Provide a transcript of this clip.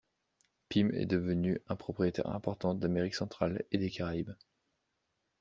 Pim est devenu un propriétaire important d'Amérique Centrale et des Caraïbes.